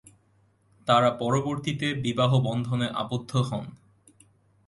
তারা পরবর্তীতে বিবাহ বন্ধনে আবদ্ধ হন।